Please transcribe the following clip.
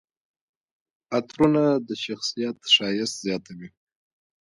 عطرونه د شخصیت ښایست زیاتوي.